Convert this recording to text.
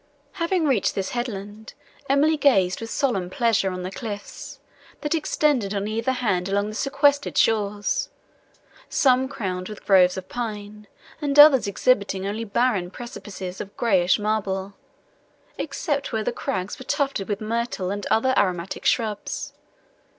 Having reached this headland, Emily gazed with solemn pleasure on the cliffs, that extended on either hand along the sequestered shores, some crowned with groves of pine, and others exhibiting only barren precipices of greyish marble, except where the crags were tufted with myrtle and other aromatic shrubs.